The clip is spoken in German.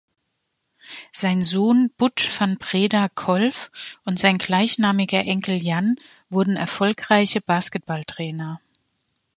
Sein Sohn "Butch van Breda Kolff" und sein gleichnamiger Enkel "Jan" wurden erfolgreiche Basketballtrainer.